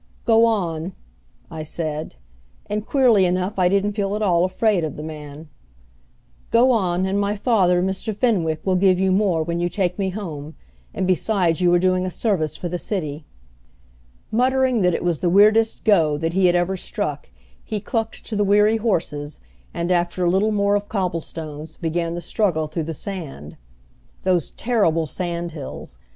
"Go on," I said, and queerly enough I didn't feel at all afraid of the man. "Go on, and my father, Mr. Fenwick, will give you more when you take me home; and besides you are doing a service for the city." Muttering that it was the weirdest go that he had ever struck, he clucked to the weary horses, and after a little more of cobblestones, began the struggle through the sand. Those terrible sand hills!